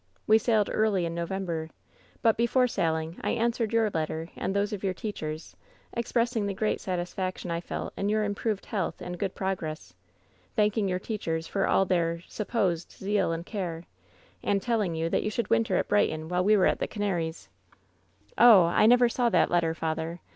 We sailed early in November. But before sailing I answered your let ter and those of your teachers, expressing the great satis faction I felt in your improved health and good progress, thanking your teachers for all their — supposed — zeal and care, and telling you that you should winter at Brighton while we were at the Canaries.' " 'Oh ! I never saw that letter, father